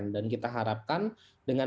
dan kita harapkan dengan